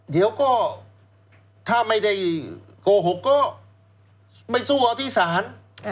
เดี๋ยวก็ถ้าไม่ได้โกหกก็ไม่สู้เอาที่ศาล